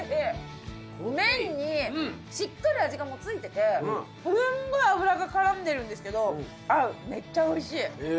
麺にしっかり味がもう付いててすんごい脂が絡んでるんですけど合うめっちゃおいしい。